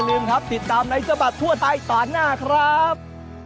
ลืมครับติดตามในสบัดทั่วไทยต่อหน้าครับ